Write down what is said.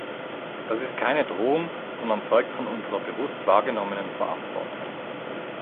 Das ist keine Drohung, sondern zeugt von unserer bewusst wahrgenommenen Verantwortung.